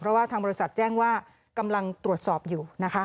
เพราะว่าทางบริษัทแจ้งว่ากำลังตรวจสอบอยู่นะคะ